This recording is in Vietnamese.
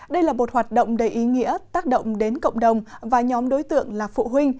đây là một hoạt động đầy ý nghĩa tác động đến cộng đồng và nhóm đối tượng là phụ huynh